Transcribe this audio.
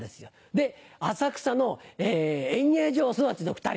で浅草の演芸場育ちの２人。